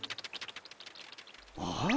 ああ？